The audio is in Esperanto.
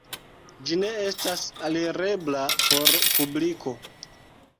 Ĝi ne estas alirebla por publiko.